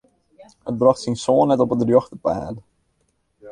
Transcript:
It brocht syn soan net op it rjochte paad.